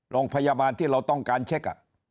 โรงพยาบาลที่เราต้องการเช็ค